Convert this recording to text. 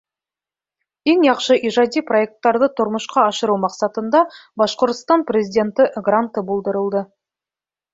Иң яҡшы ижади проекттарҙы тормошҡа ашырыу маҡсатында Башҡортостан Президенты гранты булдырылды.